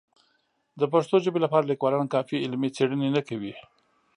د پښتو ژبې لپاره لیکوالان کافي علمي څېړنې نه کوي.